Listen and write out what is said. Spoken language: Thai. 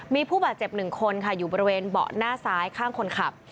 มีผู้บาดเจ็บ๑คนค่ะอยู่บริเวณเบาะหน้าซ้ายข้างคนขับ